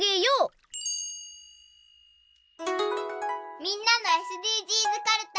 みんなのＳＤＧｓかるた。